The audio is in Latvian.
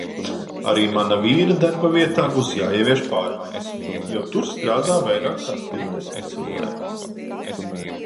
Arī mana vīra darbavietā būs jāievieš pārmaiņas, jo tur strādā vairāk kā divdesmit cilvēku.